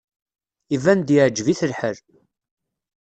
Iban-d yeɛjeb-it lḥal.